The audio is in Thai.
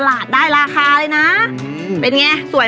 อ้าวดอน